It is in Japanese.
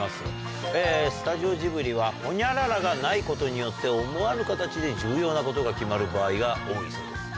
スタジオジブリはホニャララがないことによって思わぬ形で重要なことが決まる場合が多いそうです。